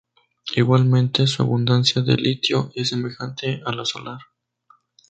Igualmente su abundancia de litio es semejante a la solar.